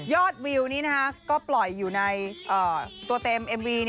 วิวนี้ก็ปล่อยอยู่ในตัวเต็มเอ็มวี